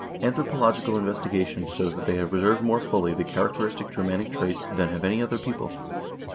Anthro pological investigation shows that they have preserved more fully the characteristic Germanic traits than have any other people.